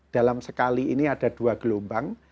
dalam sekali ini ada dua gelombang